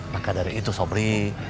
maka dari itu sobri